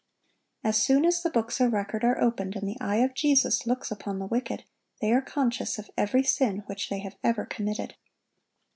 (1159) As soon as the books of record are opened, and the eye of Jesus looks upon the wicked, they are conscious of every sin which they have ever committed.